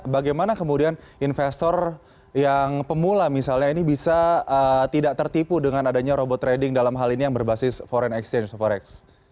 bagaimana kemudian investor yang pemula misalnya ini bisa tidak tertipu dengan adanya robot trading dalam hal ini yang berbasis foreign exchange forex